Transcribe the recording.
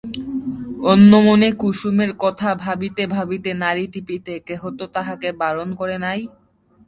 অন্যমনে কুসুমের কথা ভাবিতে ভাবিতে নাড়ি টিপিতে কেহ তো তাহাকে বারণ করে নাই!